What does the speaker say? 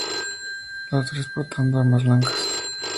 Los tres portando armas blancas.